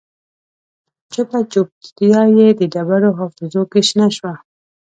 چوپه چوپتیا یې د ډبرو حافظو کې شنه شوه